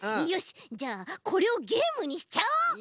よしじゃあこれをゲームにしちゃおう！